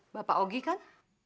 bapak ogi kan